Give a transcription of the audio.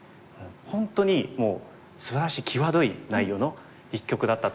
本当にもうすばらしい際どい内容の一局だったと思います。